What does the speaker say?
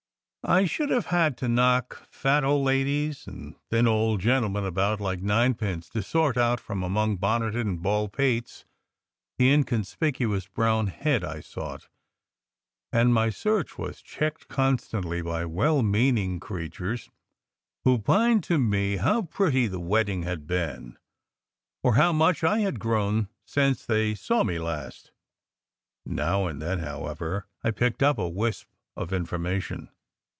I should have had to knock fat old ladies and thin old gentlemen about like ninepins to sort out from among bonneted and bald pates the inconspicuous brown head I sought, and my search was checked constantly by well meaning creatures who pined to tell me how pretty the wedding had been, or how much I had grown since they saw me last. Now and then, however, I picked up a wisp of information.